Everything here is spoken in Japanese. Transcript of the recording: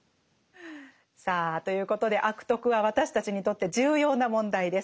さあということで「悪徳」は私たちにとって重要な問題です。